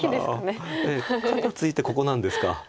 ああ肩ツイてここなんですか。